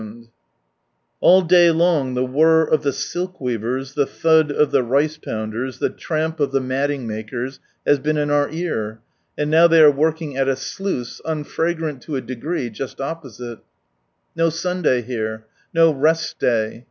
From Sunrise Land All day long tlie whirr of the silk weavers, the thud of the rjce pounders, ihe tramp of the matling makers, has been in our ear, and now they are working at a sluice, unfragrant to a degree, just opposite. No Sunday here. No Rest Day.